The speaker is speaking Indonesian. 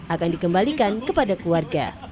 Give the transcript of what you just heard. akan dikembalikan kepada keluarga